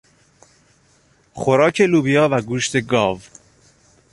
خوراک لوبیا و گوشت گاو